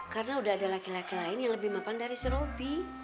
karena udah ada laki laki lain yang lebih mapan dari si robi